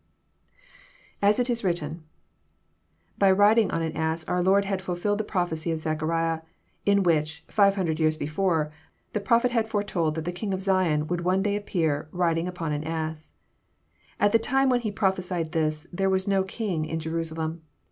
lAs it is written.'] By riding on an ass our Lord had fulfilled the prophecy of Zechariah, in which, 600 years before, the prophet had foretold that the King of Zion would one day appear '* riding upon an ass." At the time when he prophesied this, there were no kings in Jerusalem.